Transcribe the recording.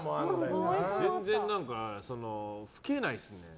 全然老けないですよね。